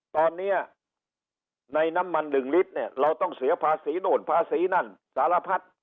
ตอนนี้ในน้ำมัน๑ลิตรเนี่ยเราต้องเสียภาษีโน่นภาษีนั่นสารพัด